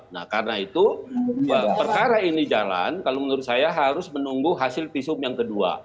nah karena itu perkara ini jalan kalau menurut saya harus menunggu hasil visum yang kedua